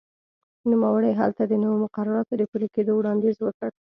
نوموړي هلته د نویو مقرراتو د پلي کېدو وړاندیز وکړ.